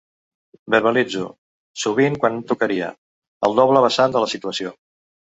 Verbalitzo, sovint quan no tocaria, el doble vessant de la situació.